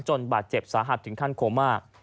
บาดเจ็บสาหัสถึงขั้นโคม่า